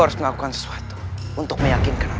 aku harus melakukan sesuatu untuk meyakinkanmu